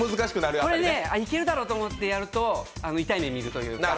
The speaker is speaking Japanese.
いけるだろうと思ってやると痛い目を見るというか。